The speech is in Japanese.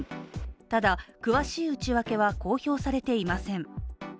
ただ、詳しい内訳は公表されていません。